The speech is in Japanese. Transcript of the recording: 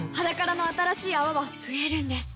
「ｈａｄａｋａｒａ」の新しい泡は増えるんです